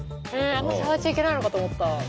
あんま触っちゃいけないのかと思った。